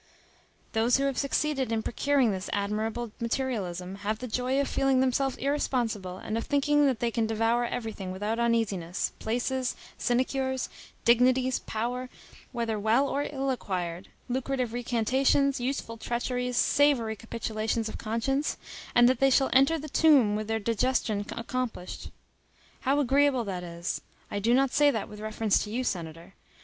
Those who have succeeded in procuring this admirable materialism have the joy of feeling themselves irresponsible, and of thinking that they can devour everything without uneasiness,—places, sinecures, dignities, power, whether well or ill acquired, lucrative recantations, useful treacheries, savory capitulations of conscience,—and that they shall enter the tomb with their digestion accomplished. How agreeable that is! I do not say that with reference to you, senator.